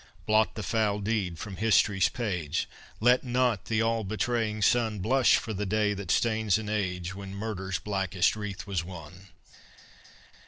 Blot the foul deed from history's page; Let not the all betraying sun Blush for the day that stains an age When murder's blackest wreath was won.